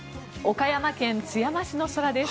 岡山県津山市の空です。